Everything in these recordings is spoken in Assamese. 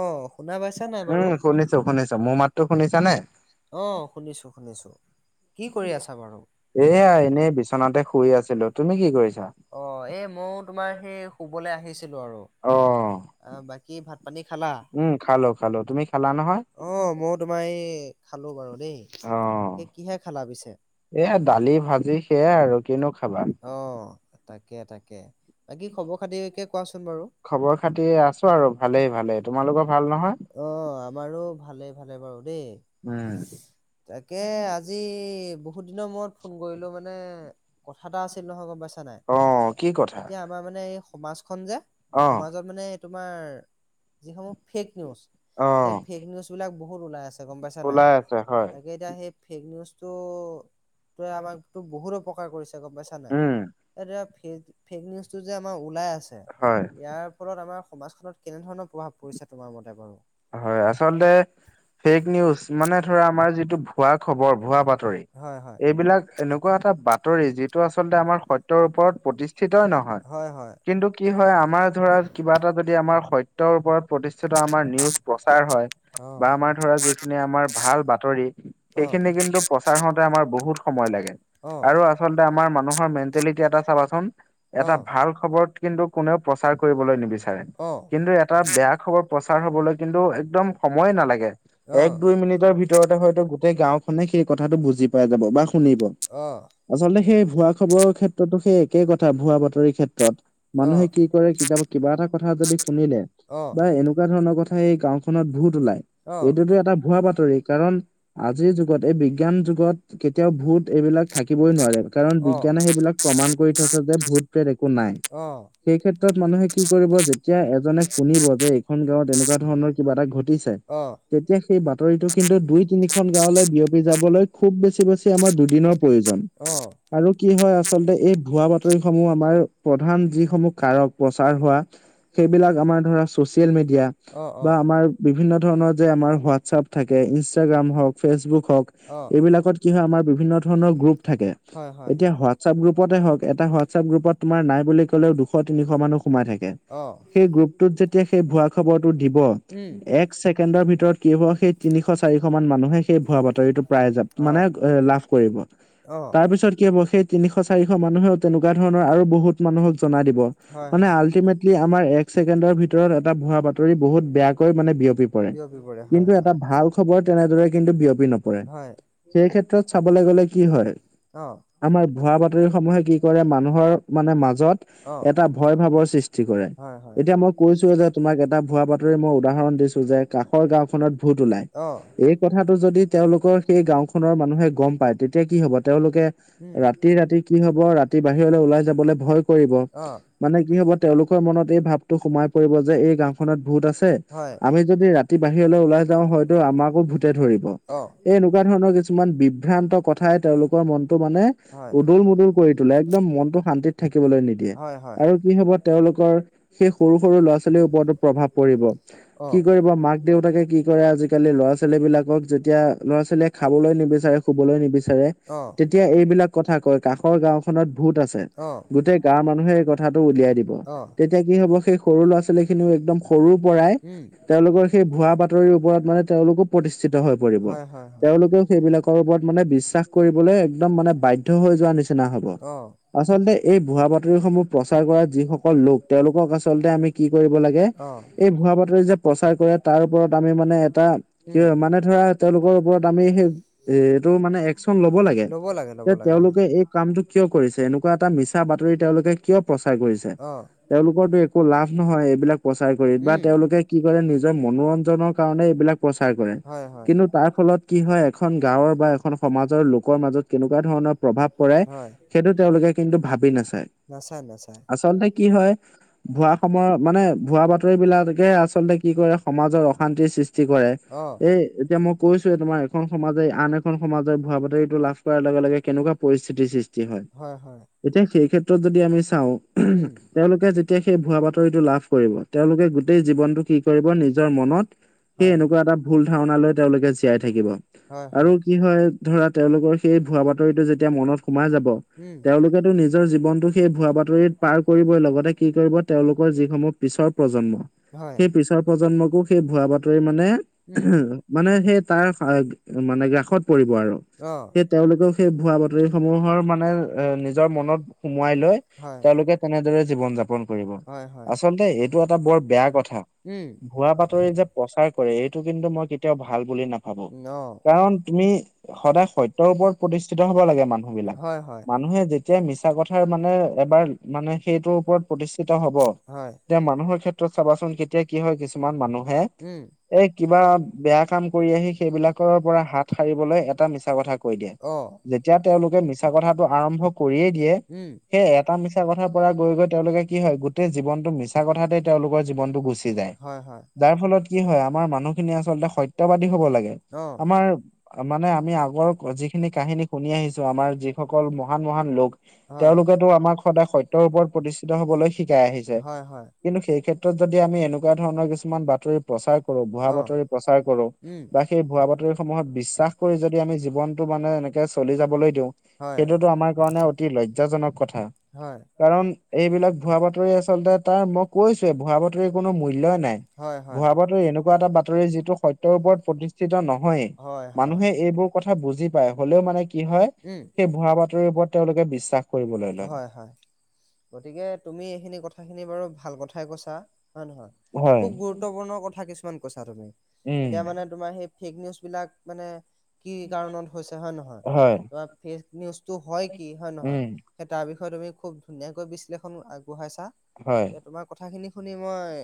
অ শুনা পাইছা নাই বাৰু? শুনিছোঁ। মোৰ মাততো শুনিছা নে? অ শুনিছো শুনিছো। কি কৰি আছা বাৰু? এয়া এনেই বিচনাতে শুই আছিলো। তুমি কি কৰিছা? অ এই মইয়ো তোমাৰ সেই শুবলৈ আহিছিলো আৰু। অ অ বাকী ভাত পানী খালা? উম খালো খালো। তুমি খালা নহয়? অ মই তোমাৰ এ খালো বাৰু দেই। অ তাকে কিহে খালা পিছে এয়া দালি, ভাজি সেয়াই আৰু কিনো খাবা। অ তাকে তাকে বাকী খবৰ খাতিয়েকে কোৱাচোন বাৰু? খবৰ খাতি আছো আৰু ভালে ভালে তোমালোকৰ ভাল নহয়? অ আমাৰো ভালে ভালে বাৰু দে উম তাকে আ- আজি বহুত দিনৰ মূৰত ফোন কৰিলো মানে কথা এটা আছিল নহয় গম পাইছ- নাই, অ কি কথা এতিয়া আমাৰ মানে এই সমাজখন যে অ সমাজত মানে তোমাৰ যিস- মূহ ফেক নিউজ। অ সেই ফেক নিউজ বিলাক বহুত ওলাই আছে গম পাইছা নাই। ওলাই আছে হয় গে এতিয়া সেই ফেক নিউজটো টোৱে আমাক টো বহুত অপকাৰ কৰিছে। গম পাইছা নাই? উম এতিয়া ফ ফেক নিউজটো যে আমাৰ ওলাই আছে হয় ইয়াৰ ফলত আমাৰ সমাজখনত কেনেধৰণৰ প্ৰভাৱ পৰিছে তোমাৰ মতে বাৰু? হয়, আচলতে ফেক নিউজ মানে ধৰা আমাৰ যিটো ভুৱা খবৰ, ভুৱা বাতৰি হয় হয় এইবিলাক এনেকুৱা এটা বাতৰি যিটো আচলতে আমাৰ সত্যৰ ওপৰত প্ৰতিষ্ঠিতই নহয়। হয় হয় কিন্তু কি হয় আমাৰ ধৰা কিবা এটা যদি আমাৰ সত্যৰ ওপৰত প্ৰতিষ্ঠিত আমাৰ নি- প্ৰচাৰ হয় অহ বা আমাৰ ধৰা যিখিনি আমাৰ ভাল বাতৰি অহ সেইখিনি কিন্তু প্ৰচাৰ হওঁতে আমাৰ বহুত সময় লাগে। আৰু আচলতে আমাৰ মানুহৰ মেণ্টেলিটি এটা চাবাচোন এটা অহ ভাল খবৰত কিন্তু কোনেও প্ৰচাৰ কৰিবলৈ নিবিচাৰে অহ কিন্তু এটা বেয়া খবৰ প্ৰচাৰ হবলৈ কিন্তু একদম সময় নালাগে এক দুই মিনিটৰ ভিত- তৰতে হয়তো গোটেই গাওঁখনে সেই কথাটো বুজি পাই যাব বা শুনিব। অহ অহ আচলতে সেই ভুৱা খবৰৰ ক্ষেত্ৰতো সেই একেই কথা ভুৱা বাতৰিৰ ক্ষেত্ৰত। মানুহে কি অহ কৰে কিতাপ কিবা এটা কথা যদি শুনিলে বা এনেকুৱা ধৰণৰ কথ- সেই গাওঁখনত ভূত উলাই, অহ এইটোতো এটা ভুৱা বাতৰি। কাৰণ আজিৰ যুগত এই বিজ্ঞান যুগত কেতিয়াও ভূত এইবিলাক থাকিবই নোৱাৰে কাৰণ অহ অহ বিজ্ঞানে সেইবিলাক প্ৰমাণ কৰি থৈছে যে ভূত প্ৰেত একো নাই। অ। সেই ক্ষেত্ৰত মানুহে কি কৰিব যেতিয়া এজনে শুনিব যে এইখন গাঁৱত এনেকুৱা ধৰণৰ কিবা এটা ঘটিছে। অহ অহ তেতিয়া সেই বাতৰিটো কিন্তু দুই তিনিখন গাঁৱলৈ বিয়পি যাবলৈ খুব বেছি-বেছ তে আমাৰ দুদিনৰ প্ৰয়োজন। আৰু কি হয় আচলতে এই ভুৱা বাতৰি সমূহ আমাৰ, প্ৰধান যিসমূহ কাৰক প্ৰচাৰ হোৱা। সেইবিলাক আমাৰ ধৰা ছ'চিয়েল মিডিয়া অ', বা অ', আমাৰ বিভিন্ন ধৰণৰ যে আমাৰ হোৱাটছআপ থাকে ইনষ্টাগ্ৰাম হওঁক, ফেচবুক হওঁক। অহ এইবিলাকত কি হয় আমাৰ বিভিন্ন ধৰণৰ গ্ৰুপ থাকে, হয় হয় এতিয়া হোৱা হোৱাটছআপ গ্ৰুপতে হওঁক এটা হোৱাটছআপ গ্ৰুপত তোমাৰ নাই বুলি ক'লেও দুশ তিনিশ মানুহ সোমাই থাকে। অহ সেই গ্ৰুপটোত যেতিয়া সেই ভুৱা খবৰটো দিব উম এক ছেকেণ্ডৰ ভিতৰত কি হ'ব সেই তিনিশ, চাৰিশ মান মানুহে সেই ভুৱা বাতৰিটো পায়ে জা, মানে হয় এ লাভ কৰিব, অ তাৰপিছত কি হ'ব সেই তিনিশ, চাৰিশ মানুহে তেনেকুৱা ধৰণৰ আৰু বহুত মানুহক জনাই দিব। হয় মানে হয় আল্টিমেটলি আমাৰ এক ছেকেণ্ডৰ ভিতৰত এটা ভুৱা বাত বহুত বেয়াকৈ মানে বিয়পি পৰে। বিয়পি পৰে হয় কিন্তু হয় এটা ভাল খবৰ তেনেদৰে কিন্তু বিয়পি নপৰে। হয় সেই ক্ষেত্ৰত চাবলৈ গ'লে কি হয় অ', আমাৰ ভুৱা বাতৰি সমূহে কি কৰে মানুহৰ মানে মাজত, অ এটা ভয় ভাবৰ সৃষ [unintelligible] কৰে, হয় হয় এতিয়া মই কৈছো যে তোমাক এটা ভুৱা বাতৰি মই উদাহৰণ দিছ যে কাষৰ গাওখনত ভূত ওলায়। অ এই কথাটো যদি তেওঁলোকৰ সেই গাওঁখনৰ মানুহে গম পায় তেতিয়া কি হব তেওঁলোকে উম ৰাতি ৰাতি কি হব ৰাতি বাহিৰলৈ ওলাই যাবলে ভয় কৰিব। অ মানে কি হব তেওঁলোকৰ মনত এই ভাবটো সোমাই পৰিব যে এই গাঁওখনত ভূত আছে হয় আমি যদি ৰাতি বাহিৰলৈ ওলাই যাওঁ হয়তো আমাকো ভূতে ধৰিব, অ এই কিবা ধৰণৰ কিছুমান বিভ্ৰান্ত কথাই তেওঁলোকৰ মনতটো মানে হয় উদুল মুদুল কৰি তোলে একদম মনটো শান্তিত থাকিবলৈ নিদিয়ে। হয় হয় আৰু কি হব তেওঁলোকৰ, সেই সৰু সৰু ল'ৰা-ছোৱালীৰ ওপৰত পৰিব, অ কি কৰিব মাক দেউতাকে কি কৰে আজিকালি ল'ৰা-ছোৱালী বিলাকক যেতিয়া ল'ৰা-ছোৱালীয়ে খাবলৈ নিবিচাৰে শুবলৈ নিবিচাৰে, অ তেতিয়া এইবিলাক কথা কয় কাষৰ গাওঁখনত ভূত আছ ছে অ গোটেই গাঁৱৰ মানুহে এই কথাটো উলিয়াই দিব, অ তেতিয়া কি হ'ব সেই সৰু ল'ৰা-ছোৱালী খিনিওঁ সৰুৰ পৰাই উম তেওঁলোকৰ সেই ভুৱা বাতৰিৰ ওপৰত মানে তেওঁলোকো প্ৰতিষ্ঠিত হৈ পৰিব, হয় হয় হয় তেওঁলোক সেইবিলাকৰ ওপৰত মানে বিশ্বাস কৰিবলৈ একদম মানে বাধ্য হৈ যোৱা নিচিনা হ'ব। অ আচলতে এই ভুৱা বাতৰি সমূহ প্ৰচাৰ কৰা যিসকল লোক তেওঁলোকক আচলতে আমি কি কৰিব লাগে অ', এই ভুৱা বাতৰি যে প্ৰচাৰ কৰে তাৰ ওপৰত আমি মানে এটা, কি উম হয় মানে ধৰা তেওঁলোকৰ ওপৰত আমি সেই, এইটো মানে একচন ল'ব লাগে, ল'ব যে লাগে হয় তেওঁলোকে এক কামটো কিয় কৰিছে এনেকুৱা এটা মিছা বাতৰি তেওঁলোকে কিয় প্ৰচাৰ কৰিছে? অ তেওঁলোকৰ একো লাভ নহয় এইবিলাক প্ৰচাৰ কৰি বা উম তেওঁলোকে কি কৰে নিজৰ মনোৰঞ্জনৰ কাৰণে এইবিলাক প্ৰচাৰ কৰে। হয় হয় কিন্তু তাৰ ফলত কি হয় এখন গাঁৱৰ বা এখন সমাজৰ লোকৰ মাজত কেনেকুৱা ধৰণৰ প্ৰভাৱ পৰে, হয় সেইটো তেওঁলোকে কিন্তু ভাবি নাচায়। নাচায়, নাচায়। আচলতে কি হয়, ভুৱা সময় মানে ভুৱা বাতৰি বিলাকে আচলতে কি কৰে সমাজৰ অশান্তিৰ সৃষ্টি কৰে, অ এই এতিয়া মই কৈছোৱে তোমাৰ এখন সমাজে আন এখন সমাজৰ ভুৱা বাতৰিটো লাভ কৰাৰ লগে লগে কেনেকুৱা পৰিস্থিতিৰ সৃষ্টি হয়। হয়, হয়। এতিয়া সেই ক্ষেত্ৰত যদি আমি চাওঁ, উম তেওঁলোকে যেতিয়া সেই ভুৱা বাতৰিটো লাভ কৰিব তেওঁলোকে গোটেই জীৱনতটো কি কৰিব নিজৰ মনত সেই হয় এনেকুৱা এটা ভুল ধাৰণালৈ তেওঁলোকে জীয়াই থাকিব, আৰু কি হয় ধৰা তেওঁলোকৰ সেই ভুৱা বাতৰিতো যেতিয়া মনত সোমাই যাব, উম তেওঁলোক এতিয়াতো নিজৰ জীৱনটো সেই ভুৱা বাতৰিত পাৰ কৰিবই লগতে কি কৰিব তেওঁলোকৰ যিসমূহ পিছৰ প্ৰজন্ম হয় সেই পিছৰ প্ৰজন্মকো সেই ভুৱা বাতৰি মানে উম মানে সেই তাৰ মানে গ্ৰাসত পৰিব আৰু। অ সেই তেওঁলোকেও সেই ভুৱা বাতৰি সমূহৰ মানে এ নিজৰ মনত সোমোৱাই লৈ। হয়। তেওঁলোকে তেনেদৰে জীৱন- যাপন কৰিব। হয় হয়। আচলতে এইটো এটা বৰ বেয়া কথা। উম, ভুৱা বাতৰি যে প্ৰচাৰ কৰে এইটো কিন্তু মই কেতিয়াও ভাল বুলি ন ভাবো, অ', কাৰণ তুমি সদায় সত্যৰ ওপৰত প্ৰতিষ্ঠিত হব লাগে মানুহবিলাক। হয়, হয়, মানুহে যেতিয়া মিছা কথাৰ মানে এবাৰ মানে সেইটোৰ ওপৰত প্ৰতিষ্ঠিত হব। হয়। এতিয়া মানুহৰ ক্ষেত্ৰত চাবাচোন কেতিয়া কি হয় কিছুমান মানুহে উম এই কিবা বেয়া কাম কৰি আহি সেইবিলাকৰ পৰা হাত সাৰিবলৈ এটা মিছা কথা কৈ দিয়ে। অ যেতিয়া তেওঁলোকে মিছা কথাটো আৰম্ভ কৰিয়ে দিয়ে উম, সেই এটা মিছা কথাৰ পৰা গৈ গৈ তেওঁলোকে কি হয় গোটেই জীৱনটো মিছা তেই তেওঁলোকৰ জীৱনটো গুচি যায়। হয়, হয়, যাৰ ফলত কি হয় আমাৰ মানুহখিনি আচলতে সত্যবাদী হব লাগে, অ', আমাৰ মানে আমি আগৰ যিখিনি কাহিনী শুনি আহিছো, আমাৰ যি সকল মহান মহান লোক, হয়, তেওঁলোকেটো আমাক সদায় সত্যৰ ওপৰত প্ৰতিষ্ঠিত হবলৈ শিকাই আহি ছে হয়, হয়, কিন্তু সেই ক্ষেত্ৰত যদি আমি এনেকুৱা ধৰণৰ কিছুমান বাতৰি প্ৰচাৰ কৰো, ভুৱা অ', বাতৰি প্ৰচাৰ কৰো, উম। বা সেই ভুৱা বাতৰিসমূহত বিশ্বাস কৰি যদি আমি জীৱনটো মানে এনেকে চলি যাবলৈ দিওঁ, হয়, সেইটোতো আমাৰ কাৰণে অতি লজ্জাজনক কথা। হয়। কাৰণ এইবিলাক ভুৱা বাতৰি আচলতে তাৰ মখ ভুৱা বাতৰি কোনো মূল্যই নাই, হয়, হয়, ভুৱা বাতৰি এনেকুৱা এটা বাতৰি যিটো সত্য ওপৰত প্ৰতি স্থিত নহয়েই হয়, হয়। মানুহে এইবোৰ কথা বুজি পায় হলেও মানে কি হয়। উম! এই ভুৱা বাতৰি ওপৰত তেওঁলোকে বিশ্বাস কৰিবলৈ লয় হয় হয় গতিকে তুমি এইখিনি কথাখিনি বাৰু ভাল কথাই কৈছা হয় নহয়। হয় খুব গুৰুত্বপূৰ্ণ কথা কিছুমান কৈছা তুমি, উম এতিয়া মানে তোমাৰ সেই ফেক নিউজ বিলাক মানে কি কাৰণত হৈছে হয় নহয়, হয় ত ফেক নিউজটো হয় কি হয় নহয়। উম সেই তাৰ বিষয়ে তুমি খুব ধুনীয়াকৈ বিশ্লেষণ আগবঢ়াইছা। হয় গতিকে তোমাক কথাখিনি শুনি মই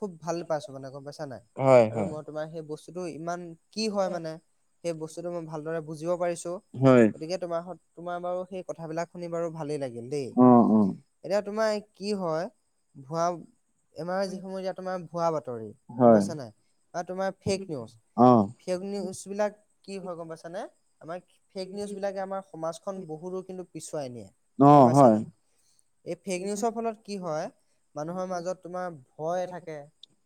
খুব ভাল পাইছো মানে গম পাইছা নাই, হয় আৰু হয়। মই তোমাৰ সেই বস্তুটো ইমান কি হয় মানে সেই বস্তুটো মই ভালদৰে বুজিব পাৰিছো, হয়। গতিকে তোমাৰ তোমাৰ বাৰু সেই কথাবিলাক শুনি বাৰু ভালেই লাগিল দেই। অ অ এতিয়া তোমাৰ কি হয় ভুৱা এমায়ে যিসমূহ এতিয়া তোমাৰ ভুৱা বাতৰি- গম হয় পাইছা নাই বা তোমাৰ ফেক নিউজ, অ ফেক নিউজ বিলাক কি হয় গম পাইছানে, আমাক ফেক নিউজবিলাকে আমাৰ সমাজখন বহুতো কিন্তু পিছুৱাই নিয়ে অ গম পাইছা হয় নাই। এই ফেক নিউজৰ ফলত কি হয়, মানুহৰ মাজত তোমাৰ ভয় থাকে,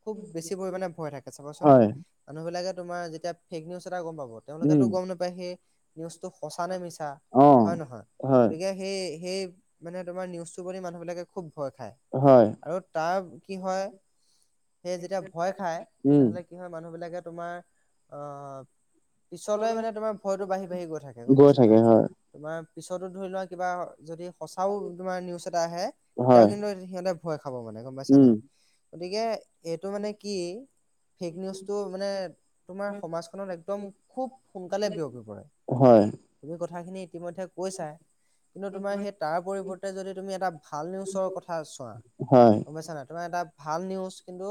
খুব বেছি পৰিমাণে ভয় থাকে চাবাচোন। হয় মানুহবিলাকে তোমাৰ যেতিয়া ফেক নিউজ এটা গম পাব, উম তেওঁলোকেতো গম নাপায় সেই নিউজটো সঁচা নে মিছা অ হয় নহয়। হয় গতিকে সেই-সেই মানে তোমাৰ নিউজটো প্ৰতি মানুহবিলাকে খুব ভয় খায়। হয় আৰু তাৰ কি হয়, সেই যেতিয়া ভয় খায় উম তেনেহলে কি হয় মানুহবিলাকে তোমাৰ অ পিছলৈ মানে তোমাৰ ভয়টো বাঢ়ি-বাঢ়ি গৈ থাকে, গম পাইছা থাকে নাই। হয় তোমাৰ পিছতো ধৰি লোৱা কিবা যদি সঁচাও তোমাৰ নিউজ এটা আহে, তেতিয়াও হয় কিন্তু সিহঁতে ভয় খাব মানে গম পাইছা উম নাই। গতিকে এইটো মানে কি ফেক নিউজটো মানে তোমাৰ সমাজখনত একদম খুব সোনকালে বিয়পি পৰে। হয়। তুমি কথাখিনি ইতিমধ্যে কৈছাই, কিন্তু তোমাৰ সেই তাৰ পৰিৱৰ্তে যদি তুমি এটা ভাল নিউজৰ কথা চোৱা হয় গম পাইছা নাই, তোমাৰ এটা ভাল নিউজ কিন্তু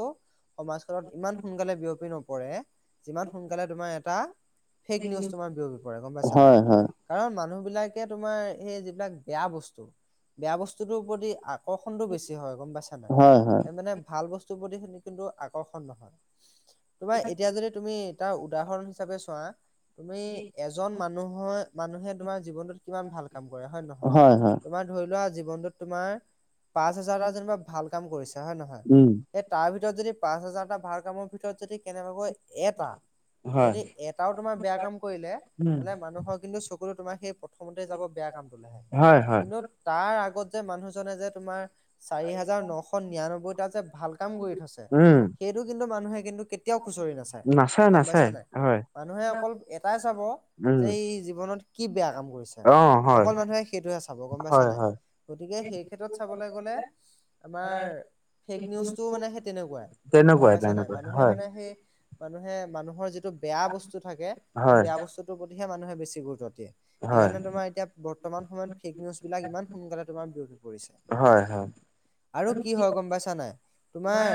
সমাজখনত ইমান সোনকালে বিয়পি নপৰে, যিমান সোনকালে তোমাৰ এটা ফেক নিউজ তোমাৰ বিয়পি পৰে গম পাইছা নাই। হয় হয় কাৰণ মানুহবিলাকে তোমাৰ সেই যিবিলাক বেয়া বস্তু, বেয়া বস্তুটোৰ প্ৰতি আকৰ্ষণটো বেছি হয় গম পাইছা নাই, হয় হয় মানে ভাল বস্তু প্ৰতি কিন্তু আকৰ্ষণ নহয়। তোমাৰ এতিয়া যদি তুমি এটা উদাহৰণ হিচাপে চোৱা, তুমি এজন মানুহৰ মানুহে তোমাৰ জীৱনটোত কিমান ভাল কাম কৰে হয় নে নহয়৷ তোমাৰ ধৰি লোৱা জীৱনটোত তোমাৰ পাঁচ হাজাৰটা যেনিবা ভাল কাম কৰিছে হয় নহয়৷ উম সেই তাৰ ভিতৰত যদি পাঁচ হাজাৰটা ভাল কামৰ ভিতৰত যদি কেনেবাকৈ এটা, হয় যদি এটাও তোমাৰ বেয়া কাম কৰিলে উম তেনে মানুহৰ কিন্তু চকু তোমাৰ সেই প্ৰথমতে যাব বেয়া কামটো লেহে। হয় হয় কিন্তু তাৰ আগত যে মানুহজনে যে তোমাৰ চাৰি হাজাৰ নশ নিৰানব্বৈটা যে ভাল কাম কৰি থৈছে উম সেইটো কিন্তু মানুহে কিন্তু কেতিয়াও খুচৰি নাচায় নাচে গম নাচে পাইছা নাই৷ হয় মানুহে অকল এটাই চাব যে উম এই জীৱনত কি বেয়া কাম কৰিছে অ হয় অকল মানুহে সেইটোহে চাব গম পাইছা হয় নাই হয় গতিকে সেই ক্ষেত্ৰত চাবলৈ গলে আমাৰ ফেক নিউজটো মানে সেই তেনেকুৱা, গম তেনেকুৱাই পাইছা নাই। তেনেকুৱাই মানুহে হয় মানে সেই মানুহে মানুহৰ যিটো বেয়া বস্তু থাকে, সেই হয় বেয়া বস্তুটোৰ প্ৰতিহে মানুহে বেছি গুৰুত্ব দিয়ে। হয় সেইকাৰণে তোমাৰ এতিয়া বৰ্তমান সময়ত ফেক নিউজ বিলাক ইমান সোনকালে তোমাৰ বিয়পি পৰিছে। হয় হয় আৰু কি হয় গম পাইছা নাই তোমাৰ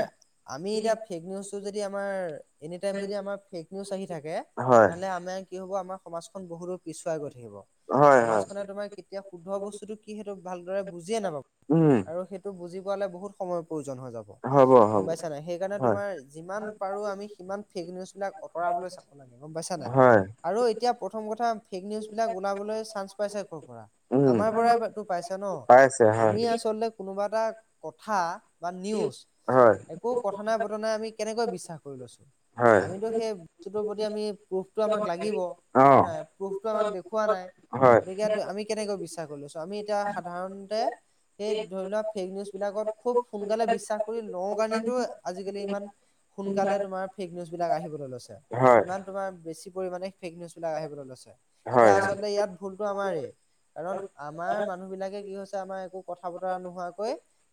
আমি এতিয়া ফেক নিউজ যদি আমাৰ এনিটাইম যদি আমাৰ ফেক নিউজ আহি থাকে হয় তেনেহলে আমাৰ কি হব আমাৰ সমাজখন বহুতো পিছুৱাই গৈ থাকিব। হয় হয় সমাজখনে তোমাৰ কেতিয়া শুদ্ধ বস্তুটো কি সেইটো ভালদৰে বুজিয়ে নাপাব উম আৰু সেই ত বুজি পোৱালে বহুত সময় প্ৰয়োজন হৈ যাব। হ'ব গম হ'ব পাইছা নাই সেইকাৰণে হয় তোমাৰ যিমান পাৰো আমি সিমান ফেক নিউজ বিলাক আঁতৰাবলৈ চাম৷ গম পাইছা নাই হয় আৰু এতিয়া প্ৰথম কথা ফেক নিউজ বিলাক চান্স পাইছে কৰ পৰা উম আমাৰ পৰাইটো পাইছে ন পাইছে হয়। আমিয়ে আচলতে কোনোবা এটা কথা বা নিউজ হয় একো কথা নাই বতৰা নাই আমি কেনেকৈ বিশ্বাস কৰি লৈছো৷ হয় আমিতো সেই বস্তুটোৰ প্ৰতি আমি প্ৰুফটো আমাক লাগিব অ হয় নাই প্ৰুফটো আমাক খোৱা নাই হয়। গতিকে আমি কেনেকৈ বিশ্বাস কৰি লৈছো আমি এতিয়া সাধাৰণতে সেই ধৰি লোৱা ফেক নিউজবিলাকত খুব সোনকালে বিশ্বাস কৰি লওঁ কাৰণেতো আজিকালি ইমান সোনকালে তোমাৰ ফেক নিউজ বিলাক আহিবলৈ লৈছে হয় ইমান তোমাৰ বেছি পৰিমানে ফেক নিউজ বিলাক আহিবলৈ লৈছে৷ এতিয়া হয় আচলতে ইয়াত ভুলতো আমাৰ কাৰণ আমাৰ মানুহ বিলাকে কি হৈছে আমাৰ একো কথা বতৰা নোহোৱাকৈ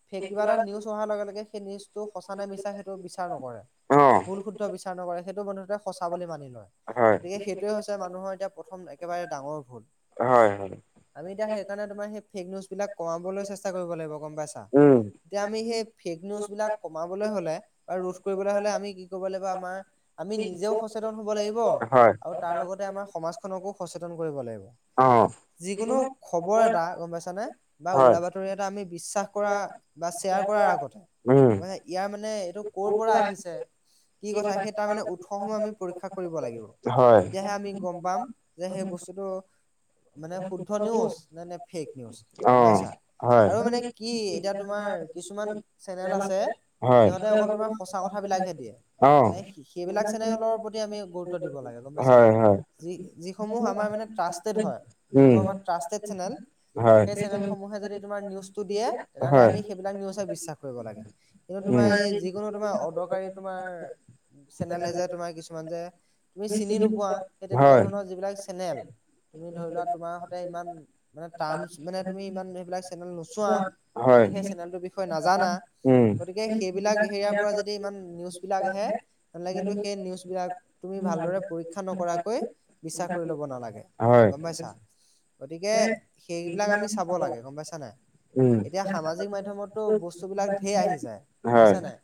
ফেক কিবা এটা নিউজ হোৱাৰ লগে লগে সেই নিউজটো সঁচা নে মিছা সেইটো বিচাৰ নকৰে অ ভুল শুদ্ধ বিচাৰ নকৰে সেইটো প্ৰথমতে সঁচা বুলি মানি লয় হয় গতিকে সেইটোৱে হৈছে মানুহৰ এতিয়া প্ৰথম একেবাৰে ডাঙৰ ভুল হয় হয় আমি এতিয়া সেইকাৰণে তোমাৰ সেই ফেক নিউজ বিলাক কমাবলৈ চেষ্টা কৰিব লাগিব গম পাইছা উম। এতিয়া আমি সেই ফেক নিউজবিলাক কমাবলৈ হ'লে ৰোধ কৰিবলৈ হলে আমি কি কৰিব লাগিব আমাৰ আমি নিজেও সচেতন হ'ব লাগিব হয় আৰু তাৰ লগতে আমাৰ সমাজ খনকো সচেতন কৰিব লাগিব অ যিকোনো খবৰ এটা গম পাইছানে বা উৰা হয়। বাতৰি এটা আমি বিশ্বাস কৰা বা শ্বেয়াৰ কৰাৰ আগতে উম ইয়াৰ মানে এইটো ক'ৰ পৰা আহিছে কি কথা সেই তাৰমানে উৎসসমূহ আমি পৰীক্ষা কৰিব লাগিব হয় তেতিয়াহে আমি গম পাম যে সেই বস্তুটো মানে শুদ্ধ নিউজ নে নে ফেক নিউজ অ গম পাইছা হয়। আৰু মানে হয় কি এতিয়া তোমাৰ কিছুমান চেনেল আছে সিহঁতে অকল তোমাৰ সঁচা কথাবিলাকহে দিয়ে অ এ সে সেইবিলাক চেনেলৰ প্ৰতি আমি গুৰুত্ ত্ব দিব লাগে গম পাইছা হয় নাই হয়। যি যিসমূহ আমাৰ মানে ট্ৰাষ্টেড হয় যি উম সমূহ আমাৰ ট্ৰস্তেদ চেনেল হয় সেই চেনেলসমূহে যদি তোমাৰ নিউজটো দিয়ে তেনেহ'লে হয় আমি সেইবিলাক নিউজে বিশ্বাস কৰিব লাগে কিন্তু উম তোমাৰ এই যিকোনো তোমাৰ অদৰকাৰী তোমাৰ চেনেলে যে তোমাৰ কিছুমান যে তুমি চিনি নোপোৱা সেই তেনেকুৱা হয় ধৰণৰ যিবিলাক চেনেল তুমি ধৰি লোৱা তোমাৰ সতে ইমান মানে ট্ৰাৰ্মচ মানে তুমি ইমান সেইবিলাক চেনেল নোচোৱা তুমি হয় সেই চেনেলটোৰ বিষয়ে নাজানা উম গতিকে সেইবিলাক হেৰিয়াৰ পৰা যদি ইমান নিউজ বিলাক আহে তেনেহলে কিন্তু সেই নিউজ বিলাক তুমি ভালদৰে পৰীক্ষা নকৰাকৈ বিশ্বাস কৰি লব নালাগে। হয় গম পাইছা গতিকে, সেইবিলাক আমি চাব লাগে গম পাইছা নাই! উম এতিয়া সামাজিক মাধ্যমত ত বস্তু বিলাক ধেৰ আহি যায়। গম হয় পাইছা নাই।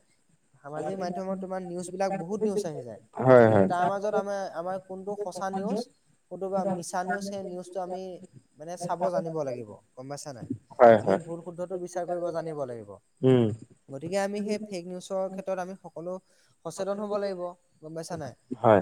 সামাজিক মাধ্যমত তোমাৰ নিউজ বিলাক বহুত নিউজ আহি যায়। হয় কিন্তু হয় তাৰ মাজত আমাৰ আমাৰ কোনটো সঁচা নিউজ কোনটো বা মিছা নিউজ সেই নিউজটো আমি মানে চাব জানিব লাগিব গম পাইছা নাই হয় আমি হয় ভুল শুদ্ধটো বিচাৰ কৰিব জানিব লাগিব উম গতিকে আমি সেই ফেক নিউজৰ ক্ষেত্ৰত আমি সকলো সচেতন হ'ব লাগিব গম পাইছা নাই হয়